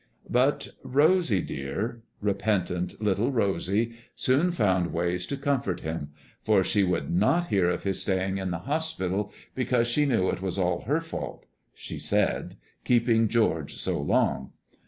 But Rosy, dear, repentant little Rosy, soon found ways to comfort him; for she would not hear of his staying in the hospital, because she knew it was all her fault, she said, keeping George so long.